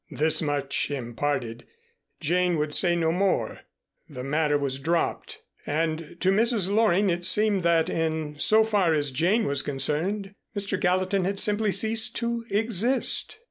This much imparted, Jane would say no more; the matter was dropped, and to Mrs. Loring it seemed that in so far as Jane was concerned, Mr. Gallatin had simply ceased to exist.